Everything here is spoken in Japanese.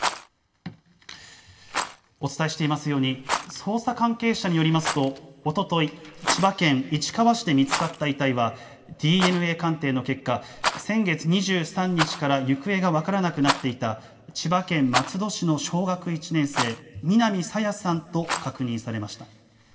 お伝えしていますように捜査関係者によりますとおととい千葉県市川市で見つかった遺体はＤＮＡ鑑定の結果、先月２３日から行方が分からなくなっていた千葉県松戸市の小学１年生、南朝芽さんと確認されました。